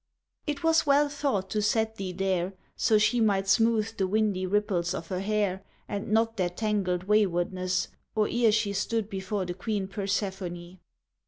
It was well thought to set thee there, so she Might smooth the windy ripples of her hair And knot their tangled waywardness, or ere She stood before the queen Persephone.